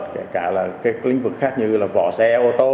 kể cả là cái lĩnh vực khác như là vỏ xe ô tô